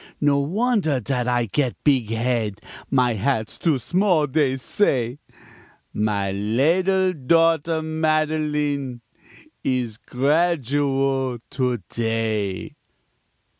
No wonder dat I gat beeg head, My hat's too small, dey say Ma leddle daughter Madeline Is gradual to day.